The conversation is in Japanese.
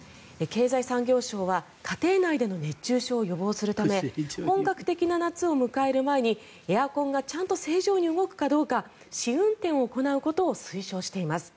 経済産業省は家庭内での熱中症を予防するため本格的な夏を迎える前にエアコンが正常に動くか試運転を行うことを推奨しています。